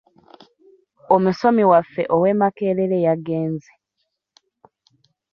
Omusomi waffe ow'e Makerere yagenze.